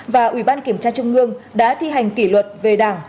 và ubnd tp hà nội đã thi hành kỷ luật về đảng